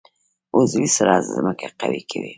عضوي سره ځمکه قوي کوي.